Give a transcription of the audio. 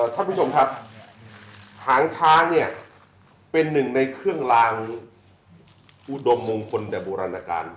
ท่านผู้ชมครับหางช้างเนี่ยเป็นหนึ่งในเครื่องลางอุดมมงคลแต่โบราณการ